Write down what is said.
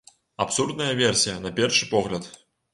Абсурдная версія, на першы погляд.